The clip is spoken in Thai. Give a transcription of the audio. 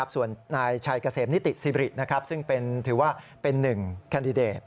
ส่วนนายชัยเกษมนิติสิริซึ่งถือว่าเป็นหนึ่งแคนดิเดต